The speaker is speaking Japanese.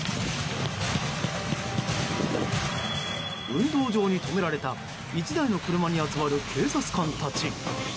運動場に止められた１台の車に集まる警察官たち。